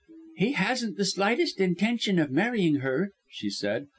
"He hasn't the slightest intention of marrying her," she said.